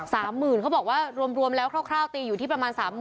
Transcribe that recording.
๓๐๐๐๐บาทเขาบอกว่ารวมคร่าวตีอยู่ที่ประมาณ๓๐๐๐๐